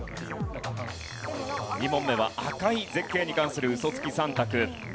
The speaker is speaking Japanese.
２問目は赤い絶景に関するウソつき３択。